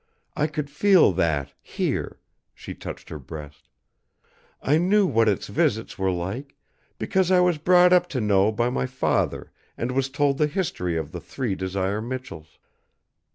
I could feel that, here," she touched her breast. "I knew what its visits were like, because I was brought up to know by my father and was told the history of the three Desire Michells.